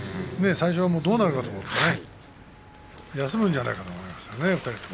最初はどうなるかなと思って休むんじゃないかと思いましたが２人とも。